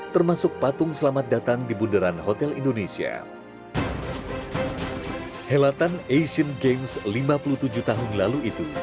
termasuk patung selamat datang di bundaran hotel indonesia helatan asian games lima puluh tujuh tahun lalu itu